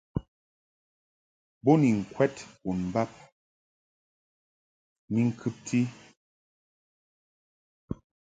Bo ni ŋkwɛd bon bab ni ŋkɨbti.